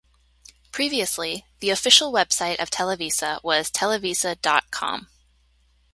Previously, the official website of Televisa was televisa dot com.